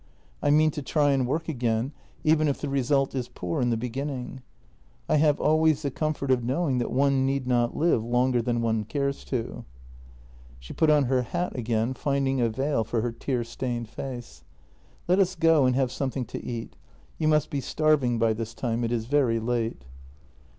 I mean to try and work again, even if the result is poor in the beginning. I have always the comfort of knowing that one need not live longer than one cares to." She put on her hat again, finding a veil for her tear stained face: " Let us go and have something to eat — you must be starving by this time — it is very late."